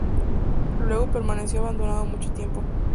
Luego permaneció abandonado mucho tiempo.